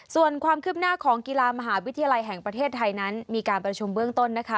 ส่วนความคืบหน้าของกีฬามหาวิทยาลัยแห่งประเทศไทยนั้นมีการประชุมเบื้องต้นนะคะ